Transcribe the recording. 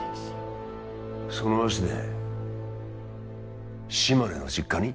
その足で島根の実家に？